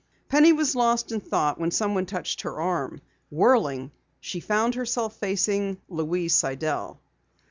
Penny was lost in thought when someone touched her arm. Whirling, she found herself facing Louise Sidell.